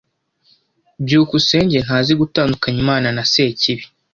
byukusenge ntazi gutandukanya Imana na Sekibi.